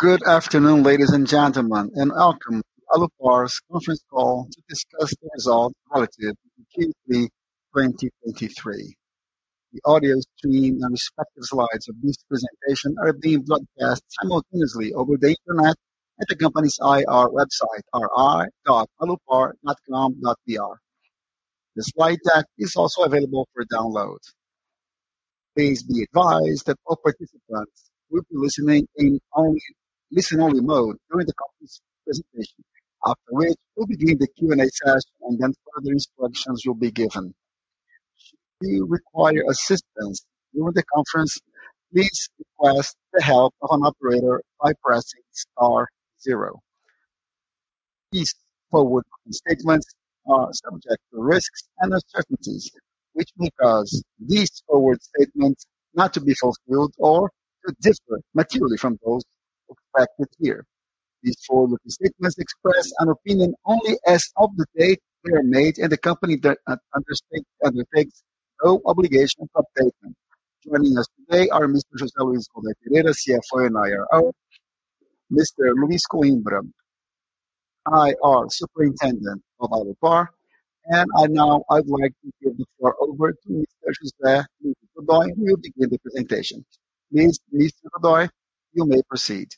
Good afternoon, ladies and gentlemen, and welcome to Alupar's conference call to discuss the results relative to Q3 2023. The audio stream and respective slides of this presentation are being broadcast simultaneously over the internet at the company's IR website, ir.alupar.com.br. The slide deck is also available for download. Please be advised that all participants will be listening in listen-only mode during the company's presentation, after which we'll begin the Q&A session, and then further instructions will be given. Should you require assistance during the conference, please request the help of an operator by pressing star zero. These forward-looking statements are subject to risks and uncertainties, which may cause these forward statements not to be fulfilled or to differ materially from those reflected here. These forward-looking statements express an opinion only as of the date they are made, and the company undertakes no obligation to update them. Joining us today are Mr. José Luiz de Godoy Pereira, CFO, and IRO, Mr. Luiz Coimbra, IR Superintendent of Alupar. Now I'd like to give the floor over to Mr. José Luiz de Godoy Pereira, who will begin the presentation. Please, Mr. Godoy, you may proceed.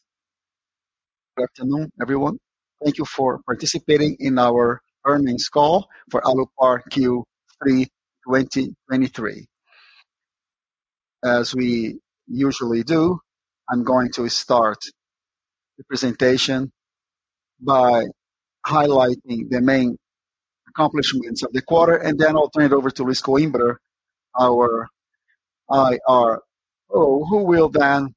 Good afternoon, everyone. Thank you for participating in our earnings call for Alupar Q3 2023. As we usually do, I'm going to start the presentation by highlighting the main accomplishments of the quarter, and then I'll turn it over to Luiz Coimbra, our IRO, who will then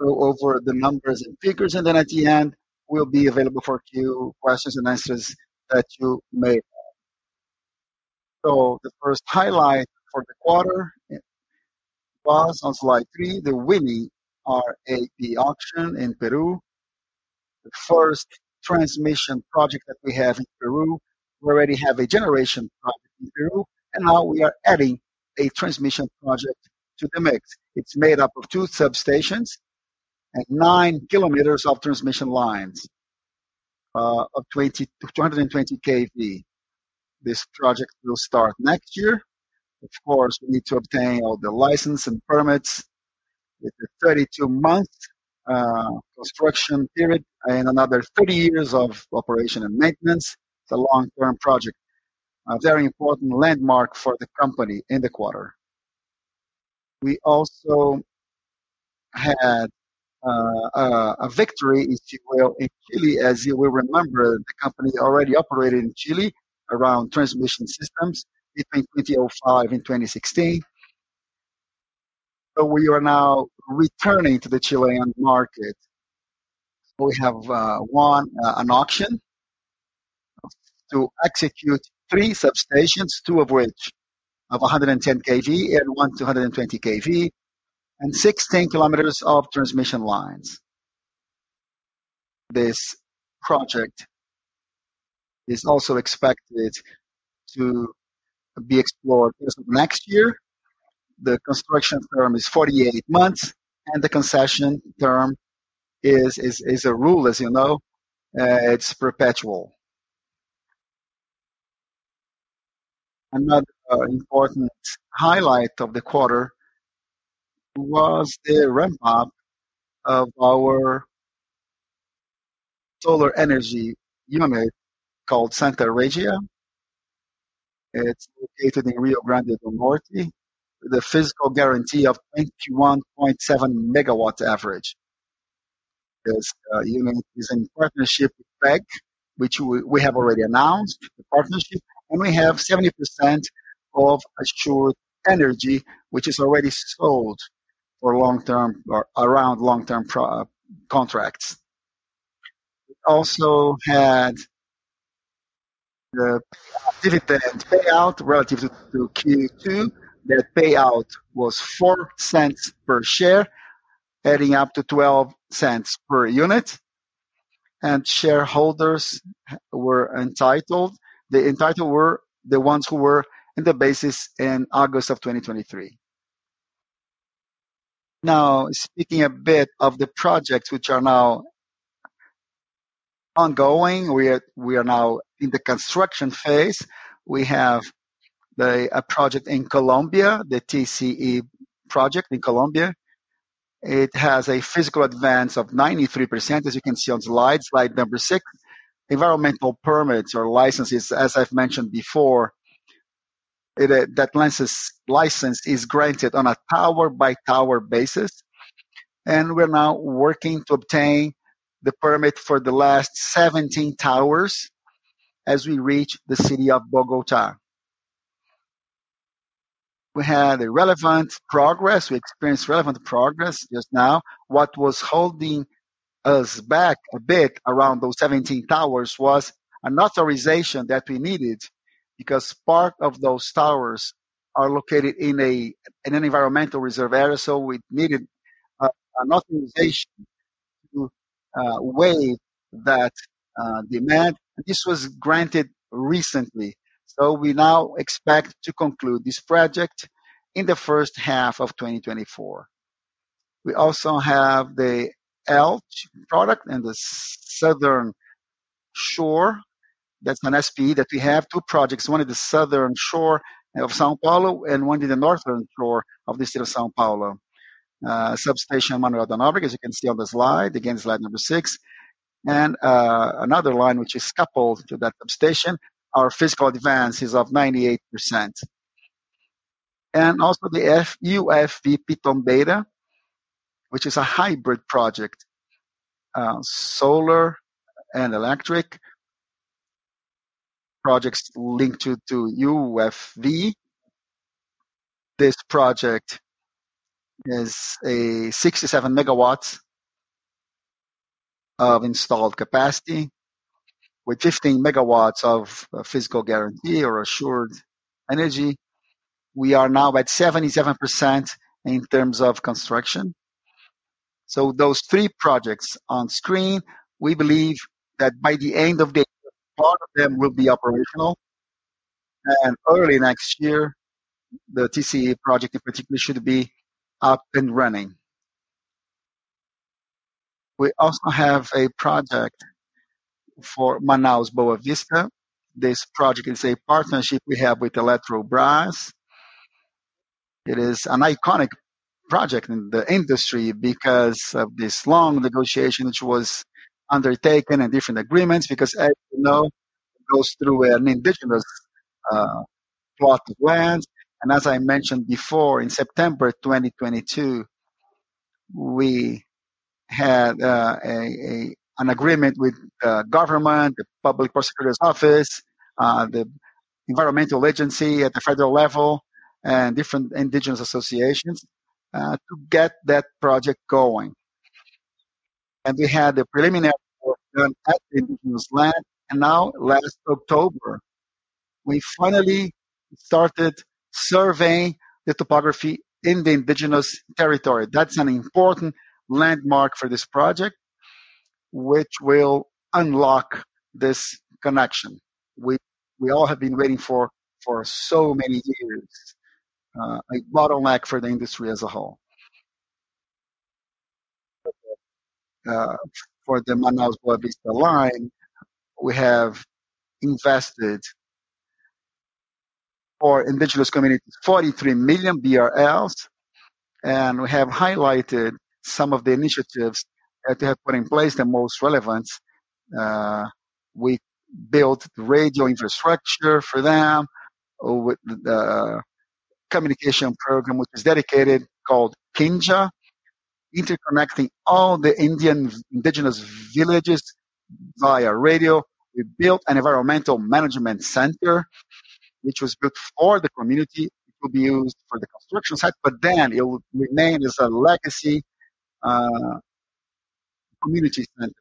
go over the numbers and figures, and then at the end, we'll be available for a few questions and answers that you may have. So the first highlight for the quarter was on slide 3, the winning RAP auction in Peru, the first transmission project that we have in Peru. We already have a generation project in Peru, and now we are adding a transmission project to the mix. It's made up of 2 substations and 9 kilometers of transmission lines of 220 kV. This project will start next year. Of course, we need to obtain all the license and permits. With a 32-month construction period and another 30 years of operation and maintenance, it's a long-term project. A very important landmark for the company in the quarter. We also had a victory in Chile. As you will remember, the company already operated in Chile around transmission systems between 2005 and 2016. So we are now returning to the Chilean market. We have won an auction to execute three substations, two of which of 110 kV, and one 220 kV, and 16 kilometers of transmission lines. This project is also expected to be explored next year. The construction term is 48 months, and the concession term is a rule, as you know, it's perpetual. Another important highlight of the quarter was the ramp-up of our solar energy unit called Santa Regia. It's located in Rio Grande do Norte, with a physical guarantee of 21.7 megawatt average. This unit is in partnership with WEG, which we have already announced the partnership, and we have 70% of assured energy, which is already sold for long-term or around long-term contracts. We also had the dividend payout relative to Q2. The payout was $0.04 per share, adding up to $0.12 per unit, and shareholders were entitled. The entitled were the ones who were in the basis in August 2023. Now, speaking a bit of the projects, which are now ongoing, we are now in the construction phase. We have a project in Colombia, the TCE project in Colombia. It has a physical advance of 93%, as you can see on slide number 6. Environmental permits or licenses, as I've mentioned before, that license is granted on a tower-by-tower basis, and we're now working to obtain the permit for the last 17 towers as we reach the city of Bogotá. We had relevant progress; we experienced relevant progress just now. What was holding us back a bit around those 17 towers was an authorization that we needed, because part of those towers are located in an environmental reserve area, so we needed an authorization to waive that demand. This was granted recently, so we now expect to conclude this project in the first half of 2024. We also have the ELTE product in the southern shore. That's an SP, that we have two projects, one in the southern shore of São Paulo and one in the northern shore of the city of São Paulo. Substation Manoel da Nóbrega, as you can see on the slide, again, slide number 6. Another line which is coupled to that substation, our physical advance is of 98%. And also the UFV Piton Beta, which is a hybrid project, solar and electric projects linked to UFV. This project is 67 MW of installed capacity, with 15 MW of physical guarantee or assured energy. We are now at 77% in terms of construction. So those three projects on screen, we believe that by the end of the year, part of them will be operational, and early next year, the TCE project in particular, should be up and running. We also have a project for Manaus-Boa Vista. This project is a partnership we have with Eletrobras. It is an iconic project in the industry because of this long negotiation, which was undertaken, and different agreements, because as you know, it goes through an indigenous plot of land. As I mentioned before, in September 2022, we had an agreement with government, the public prosecutor's office, the environmental agency at the federal level, and different indigenous associations to get that project going. We had a preliminary work done at the indigenous land, and now, last October, we finally started surveying the topography in the indigenous territory. That's an important landmark for this project, which will unlock this connection we all have been waiting for, for so many years, a bottleneck for the industry as a whole. For the Manaus-Boa Vista line, we have invested for indigenous communities 43 million BRL, and we have highlighted some of the initiatives that they have put in place, the most relevant. We built radio infrastructure for them, with the communication program, which is dedicated, called Kinja, interconnecting all the Indian indigenous villages via radio. We built an environmental management center, which was built for the community, to be used for the construction site, but then it will remain as a legacy, community center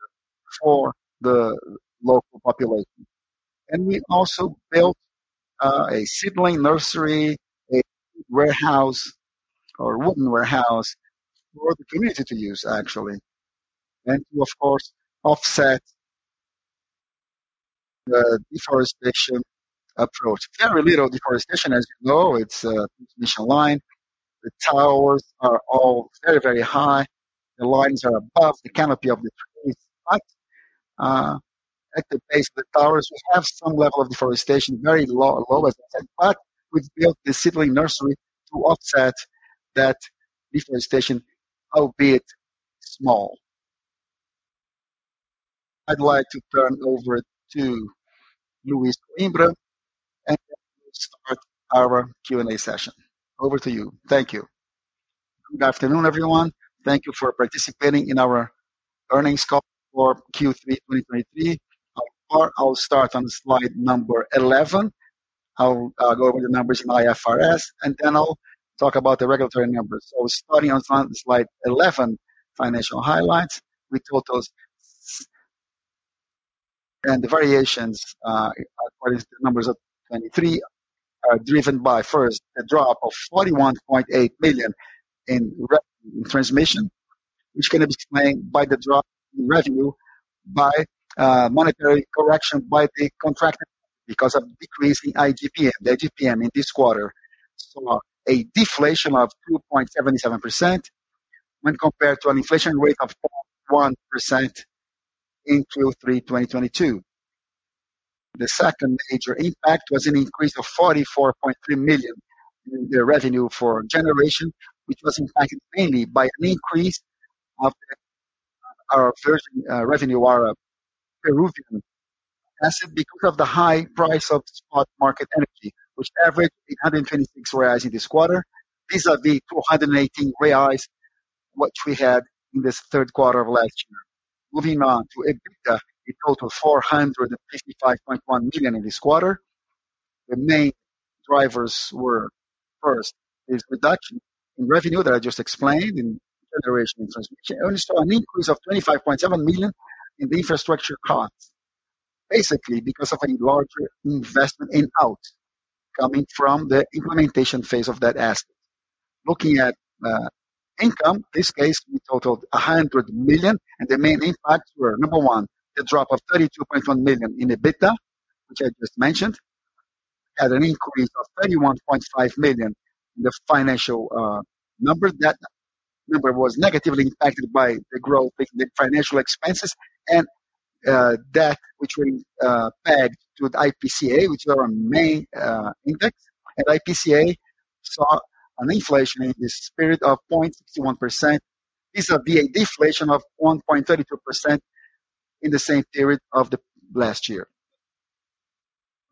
for the local population. And we also built, a seedling nursery, a warehouse, or a wooden warehouse, for the community to use, actually, and to, of course, offset the deforestation approach. Very little deforestation, as you know, it's a transmission line. The towers are all very, very high. The lines are above the canopy of the trees, but, at the base of the towers, we have some level of deforestation, very low, low as I said, but we've built this seedling nursery to offset that deforestation, albeit small. I'd like to turn over to Luiz Coimbra, and he'll start our Q&A session. Over to you. Thank you. Good afternoon, everyone. Thank you for participating in our earnings call for Q3 2023. I'll start on slide number 11. I'll go over the numbers in IFRS, and then I'll talk about the regulatory numbers. Starting on slide 11, financial highlights, we totals. The variations for these numbers of 2023 are driven by, first, a drop of 41.8 million in transmission, which can be explained by the drop in revenue by monetary correction by the contractor, because of decrease in IGP-M. The IGP-M in this quarter saw a deflation of 2.77% when compared to an inflation rate of 1% in Q3 2022. The second major impact was an increase of 44.3 million in the revenue for generation, which was impacted mainly by an increase in the revenue from our Peruvian asset because of the high price of spot market energy, which averaged 326 reais in this quarter, vis-à-vis 218 reais, which we had in this third quarter of last year. Moving on to EBITDA, a total of 455.1 million in this quarter. The main drivers were, first, this reduction in revenue that I just explained in generation and transmission, and also an increase of 25.7 million in the infrastructure costs, basically because of a larger investment outlay coming from the implementation phase of that asset. Looking at income, in this case, we totaled 100 million, and the main impacts were, number one, the drop of 32.1 million in EBITDA, which I just mentioned, had an increase of 31.5 million in the financial number. That number was negatively impacted by the growth in the financial expenses and debt, which were pegged to the IPCA, which are our main index. And IPCA saw an inflation in the spirit of 0.61%, versus a deflation of 1.32% in the same period of the last year.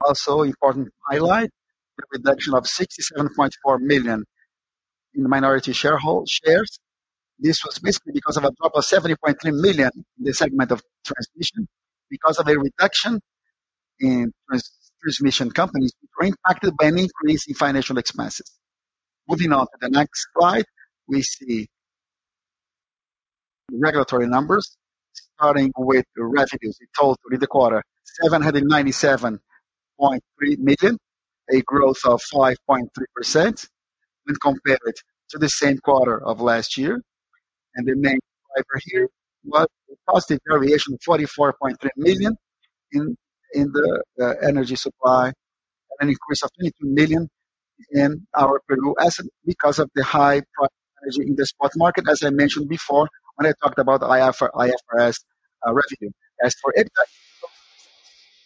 Also important to highlight, the reduction of 67.4 million in the minority shareholder shares. This was basically because of a drop of 70.3 million in the segment of transmission. Because of a reduction in transmission companies, which were impacted by an increase in financial expenses. Moving on to the next slide, we see regulatory numbers, starting with the revenues in total in the quarter, 797.3 million, a growth of 5.3% when compared to the same quarter of last year. The main driver here was the positive variation, 44.3 million in the energy supply, and an increase of 22 million in our Peru asset because of the high price energy in the spot market, as I mentioned before, when I talked about IFRS revenue. As for EBITDA,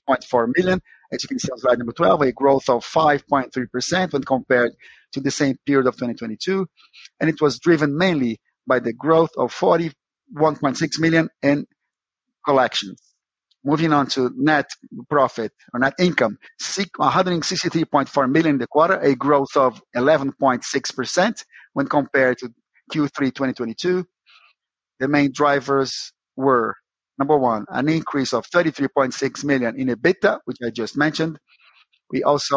404 million, as you can see on slide number 12, a growth of 5.3% when compared to the same period of 2022, and it was driven mainly by the growth of 41.6 million in collections. Moving on to net profit or net income, 663.4 million in the quarter, a growth of 11.6% when compared to Q3 2022. The main drivers were, number one, an increase of 33.6 million in EBITDA, which I just mentioned. We also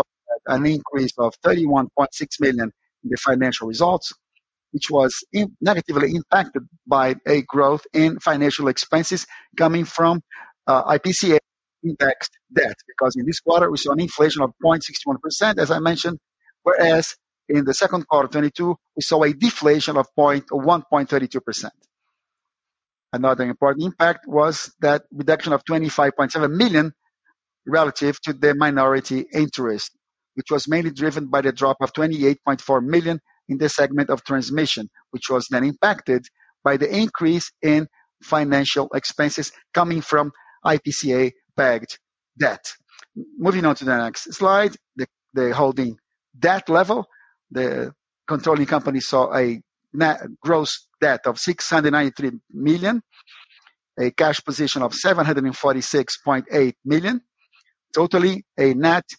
had an increase of 31.6 million in the financial results, which was negatively impacted by a growth in financial expenses coming from IPCA indexed debt. Because in this quarter, we saw an inflation of 0.61%, as I mentioned, whereas in the second quarter of 2022, we saw a deflation of 1.32%. Another important impact was that reduction of 25.7 million relative to the minority interest, which was mainly driven by the drop of 28.4 million in the segment of transmission, which was then impacted by the increase in financial expenses coming from IPCA-pegged debt. Moving on to the next slide, the holding debt level. The controlling company saw a net gross debt of 693 million, a cash position of 746.8 million. Totally, a net debt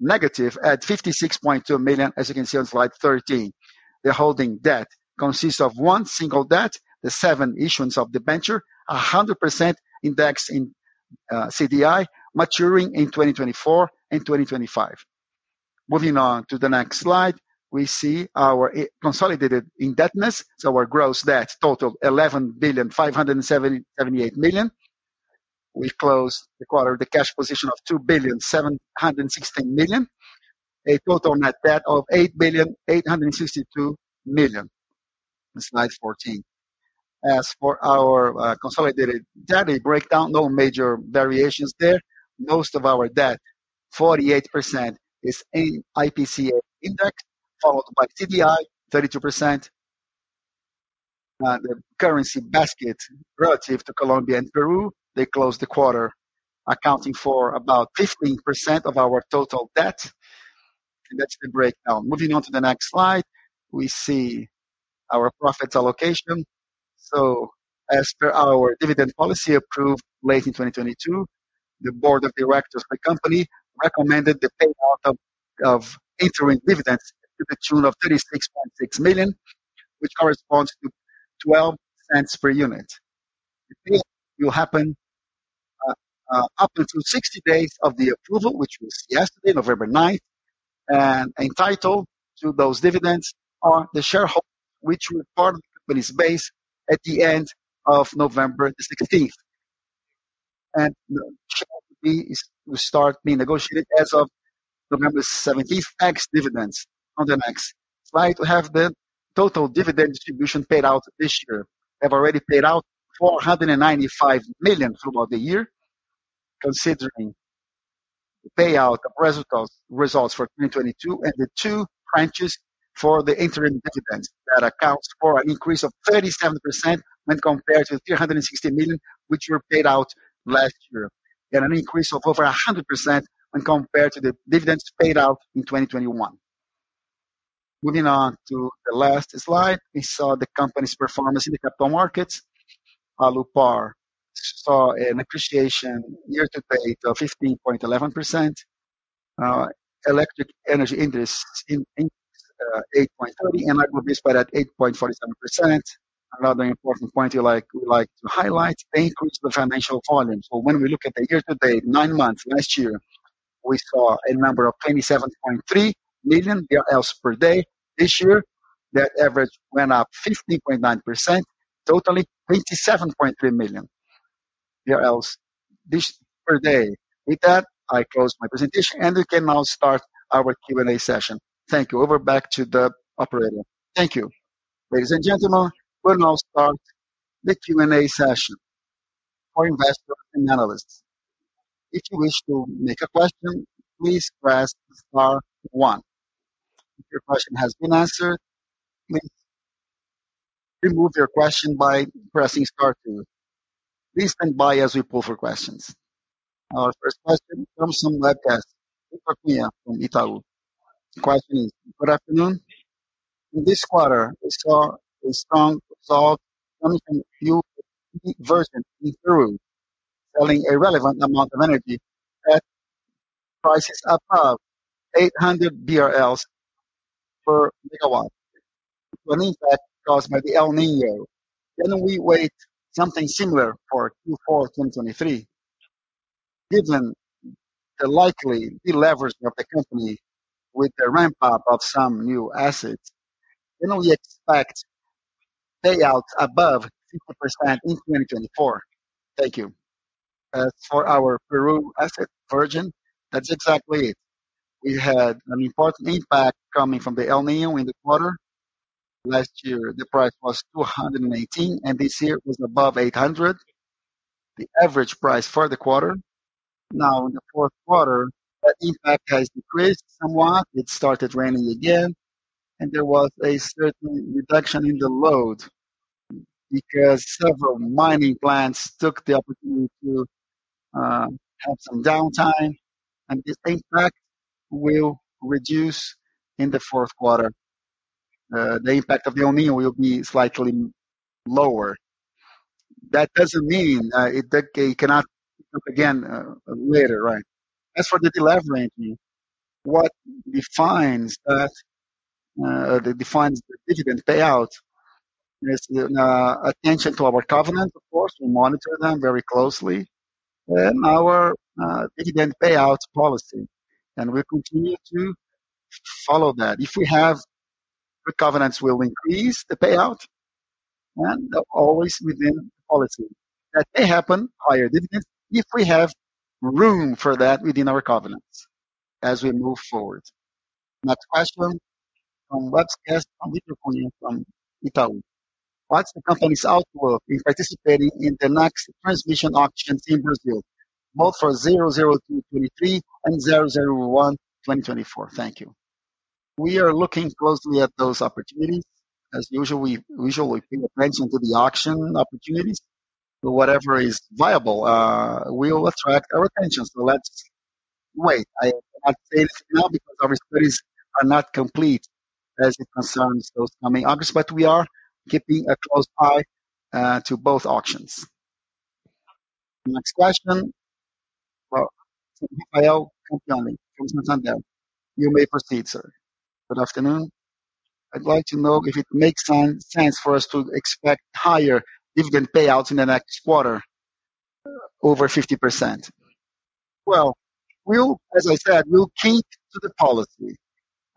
negative at 56.2 million, as you can see on slide 13. The holding debt consists of one single debt, the 7 issuance of the debenture, 100% index in CDI, maturing in 2024 and 2025. Moving on to the next slide, we see our consolidated indebtedness, so our gross debt total 11,578 million. We closed the quarter with a cash position of 2,716 million, a total net debt of 8,862 million. That's slide 14. As for our consolidated debt breakdown, no major variations there. Most of our debt, 48%, is in IPCA index, followed by CDI, 32%. The currency basket relative to Colombia and Peru, they closed the quarter, accounting for about 15% of our total debt. And that's the breakdown. Moving on to the next slide, we see our profits allocation. So as per our dividend policy approved late in 2022, the board of directors of the company recommended the payout of interim dividends to the tune of 36.6 million, which corresponds to 0.12 per unit. The pay will happen up until 60 days of the approval, which was yesterday, November ninth, and entitled to those dividends are the shareholders, which will form company's base at the end of November sixteenth. And the share will start being negotiated as of November seventeenth, ex-dividend. On the next slide, we have the total dividend distribution paid out this year. We have already paid out 495 million throughout the year, considering the payout of results, results for 2022 and the two branches for the interim dividends. That accounts for an increase of 37% when compared to 360 million, which were paid out last year, and an increase of over 100% when compared to the dividends paid out in 2021. Moving on to the last slide, we saw the company's performance in the capital markets. Alupar saw an appreciation year to date of 15.11%. Electric energy interest in 8.30, and like this, but at 8.47%. Another important point we like to highlight, the increase in the financial volume. So when we look at the year to date, nine months last year, we saw a number of 27.3 million BRL per day. This year? The average went up 15.9%, totally 27.3 million BRL per day. With that, I close my presentation, and we can now start our Q&A session. Thank you. Over back to the operator. Thank you. Ladies and gentlemen, we'll now start the Q&A session for investors and analysts. If you wish to make a question, please press star one. If your question has been answered, please remove your question by pressing star two. Please stand by as we pull for questions. Our first question comes from webcast from Itaú. The question is: Good afternoon. In this quarter, we saw a strong result coming from La Virgen in Peru, selling a relevant amount of energy at prices above 800 BRL per megawatt. An impact caused by the El Niño. Can we wait something similar for Q4 2023, given the likely deleveraging of the company with the ramp-up of some new assets? Can we expect payouts above 50% in 2024? Thank you. For our Peru asset version, that's exactly it. We had an important impact coming from the El Niño in the quarter. Last year, the price was $218, and this year it was above $800, the average price for the quarter. Now, in the fourth quarter, that impact has decreased somewhat. It started raining again, and there was a certain reduction in the load because several mining plants took the opportunity to have some downtime, and this impact will reduce in the fourth quarter. The impact of El Niño will be slightly lower. That doesn't mean that it cannot come again later, right? As for the deleveraging, what defines us defines the dividend payout, is the attention to our covenant. Of course, we monitor them very closely, and our dividend payout policy, and we continue to follow that. If we have, the covenants will increase the payout, and always within policy. That may happen, higher dividends, if we have room for that within our covenants as we move forward. Next question from webcast from Itaú. What's the company's outlook in participating in the next transmission auctions in Brazil, both for 002/2023 and 001/2024? Thank you. We are looking closely at those opportunities. As usual, we usually pay attention to the auction opportunities, but whatever is viable will attract our attention. So let's wait. I cannot say it now because our studies are not complete as it concerns those coming August, but we are keeping a close eye to both auctions. Next question. Well, you may proceed, sir. Good afternoon. I'd like to know if it makes some sense for us to expect higher dividend payouts in the next quarter, over 50%. Well, we'll, as I said, we'll keep to the policy.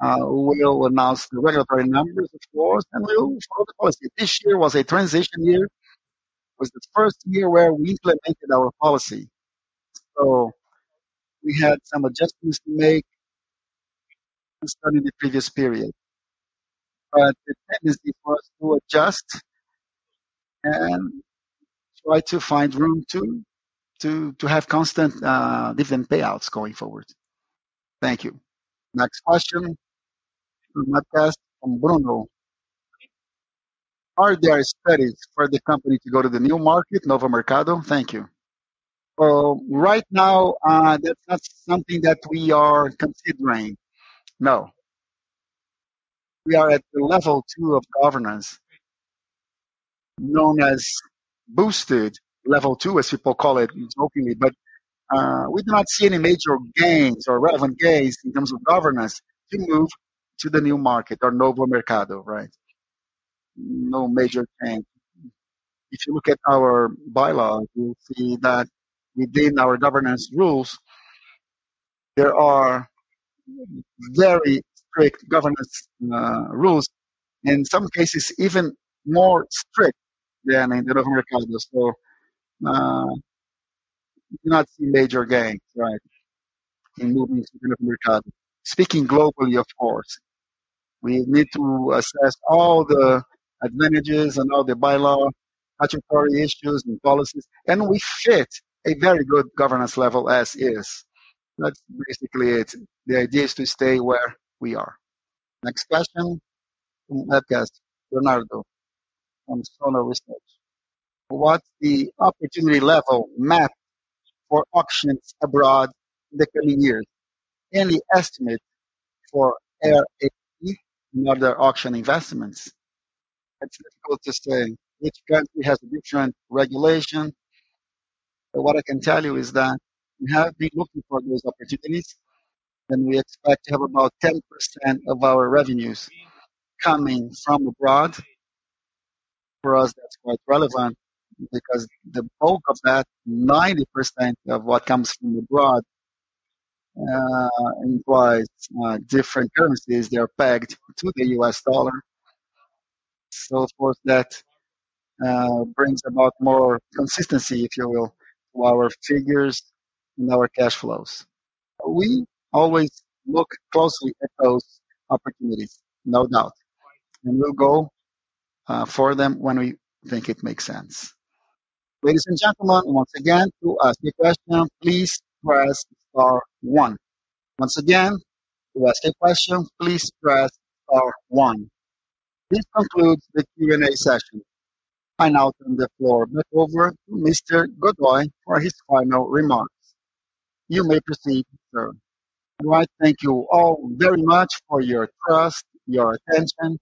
We'll announce the regulatory numbers, of course, and we'll follow the policy. This year was a transition year. It was the first year where we implemented our policy, so we had some adjustments to make, starting the previous period. But the plan is for us to adjust and try to find room to, to, to have constant, different payouts going forward. Thank you. Next question from webcast from Bruno. Are there studies for the company to go to the new market, Novo Mercado? Thank you. Well, right now, that's not something that we are considering. No. We are at the level two of governance, known as boosted level two, as people call it, jokingly. But, we do not see any major gains or relevant gains in terms of governance to move to the new market or Novo Mercado, right? No major change. If you look at our bylaws, you'll see that within our governance rules, there are very strict governance rules, in some cases, even more strict than in the Novo Mercado. So, not major gains, right, in moving to Novo Mercado. Speaking globally, of course, we need to assess all the advantages and all the bylaw, regulatory issues, and policies, and we fit a very good governance level as is. That's basically it. The idea is to stay where we are. Next question from webcast, Leonardo, from Suno Research. What's the opportunity level map for auctions abroad in the coming years? Any estimate for RAP and other auction investments? It's difficult to say. Each country has a different regulation. But what I can tell you is that we have been looking for those opportunities, and we expect to have about 10% of our revenues coming from abroad. For us, that's quite relevant because the bulk of that, 90% of what comes from abroad, implies different currencies. They are pegged to the U.S. dollar. So of course, that brings about more consistency, if you will, to our figures and our cash flows. We always look closely at those opportunities, no doubt, and we'll go for them when we think it makes sense. Ladies and gentlemen, once again, to ask a question, please press star one. Once again, to ask a question, please press star one. This concludes the Q&A session. I now turn the floor back over to Mr. Godoy for his final remarks. You may proceed, sir. Well, I thank you all very much for your trust, your attention,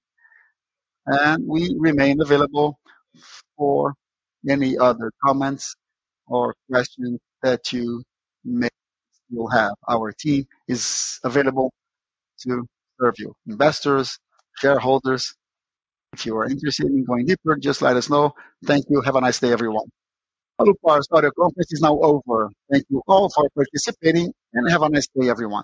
and we remain available for any other comments or questions that you may will have. Our team is available to serve you. Investors, shareholders, if you are interested in going deeper, just let us know. Thank you. Have a nice day, everyone. Our conference is now over. Thank you all for participating, and have a nice day, everyone.